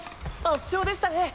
圧勝でしたね。